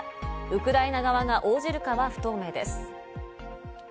ウクライナ側が応じるかが不透明です。